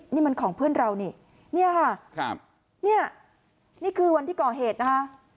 นี่มันของเพื่อนเรานี่นี่ค่ะนี่คือวันที่ก่อเหตุนะฮะ